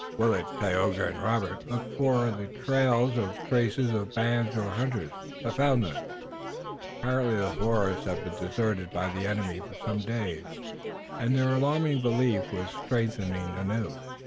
Willet, Tayoga and Robert looked for trails or traces of bands or hunters, but found none. Apparently the forest had been deserted by the enemy for some days, and their alarming belief was strengthened anew.